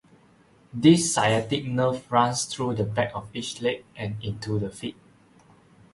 The sciatic nerve runs through the back of each leg and into the feet.